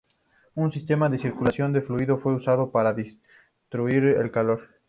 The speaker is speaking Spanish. Un sistema de circulación de fluido fue usado para distribuir el calor.